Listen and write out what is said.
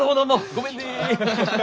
ごめんね！